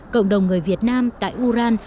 cộng đồng người việt nam tại uran